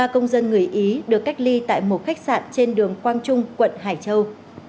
ba công dân người ý được cách ly tại một khách sạn trên đường quang trung quận hải châu